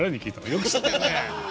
よく知ってるねえ。